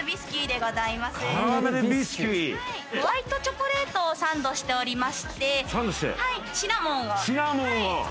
ホワイトチョコレートをサンドしておりましてシナモンを使っております。